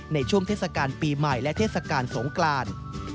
ในช่วงเทศกาลปีใหม่และเทศกาลสงกราน